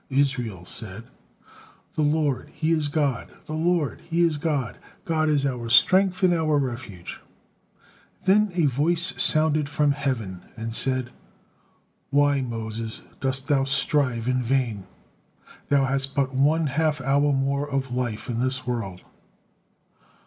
Israel said: "'The Lord, He is God; the Lord, He is God.' God is our strength and our refuge." Then a voice sounded from heaven and said, "Why, Moses, dost thou strive in vain? Thou had but one half hour more of life in the world."